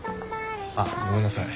あっごめんなさい。